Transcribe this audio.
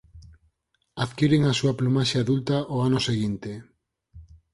Adquiren a súa plumaxe adulta ao ano seguinte.